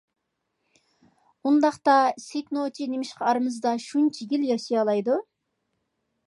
ئۇنداقتا سېيىت نوچى نېمىشقا ئارىمىزدا شۇنچە يىل ياشىيالايدۇ؟